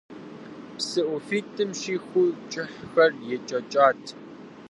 Псы ӏуфитӏым щиху кӏыхьхэр екӏэкӏащ.